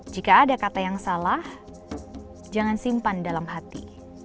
jika ada kata yang salah jangan simpan dalam hati